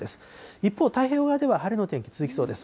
一方、太平洋側では晴れの天気、続きそうです。